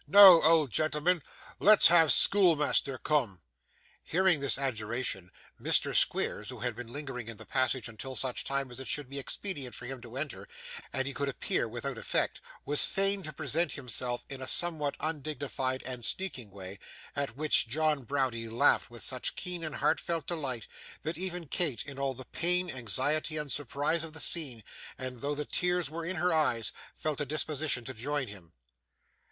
Noo, auld gen'l'man, let's have schoolmeasther, coom.' Hearing this adjuration, Mr. Squeers, who had been lingering in the passage until such time as it should be expedient for him to enter and he could appear with effect, was fain to present himself in a somewhat undignified and sneaking way; at which John Browdie laughed with such keen and heartfelt delight, that even Kate, in all the pain, anxiety, and surprise of the scene, and though the tears were in her eyes, felt a disposition to join him.